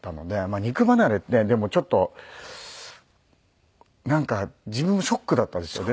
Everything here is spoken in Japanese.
肉離れってでもちょっとなんか自分もショックだったんですよね。